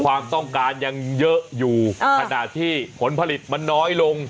ความต้องการยังเยอะอยู่ขณะที่ผลผลิตมันน้อยลง